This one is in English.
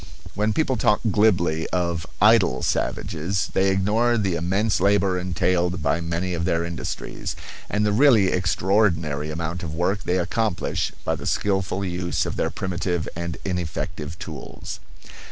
When people talk glibly of "idle" savages they ignore the immense labor entailed by many of their industries, and the really extraordinary amount of work they accomplish by the skilful use of their primitive and ineffective tools.